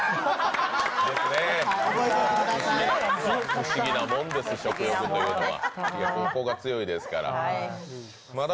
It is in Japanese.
不思議なもんです、食欲というのは。